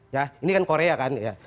ya ini kan korea kan ya